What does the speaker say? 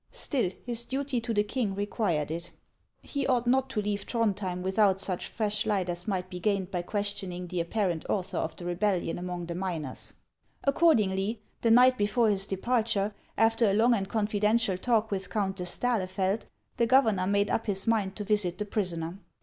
Still, his duty to the king required it. He ought 262 HANS OF ICELAND. not to leave Throndhjem without such fresh light as might be gained by questioning the apparent author of the rebellion among the miners. Accordingly, the night before his departure, after a long and confidential talk with Countess d'Ahlefeld, the governor made up his mind to visit the prisoner.